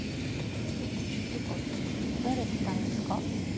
っていうか誰来たんですか？